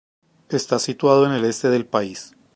Está situado en el este del país.